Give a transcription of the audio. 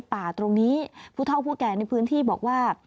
ป่าตรงนี้ผู้เท่าผู้แก่ในพื้นที่บอกว่า